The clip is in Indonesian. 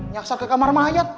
nyasar ke kamar mayat